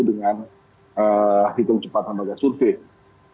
dengan hitung cepat lembaga survei